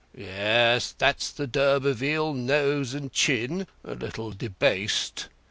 Yes, that's the d'Urberville nose and chin—a little debased.